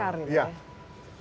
ya seperti rantai kapal